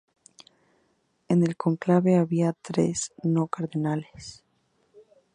En el cónclave había tres no cardenales.